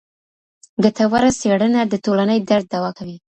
ګټوره څېړنه د ټولني درد دوا کوي.